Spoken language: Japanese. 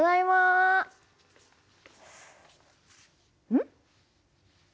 うん？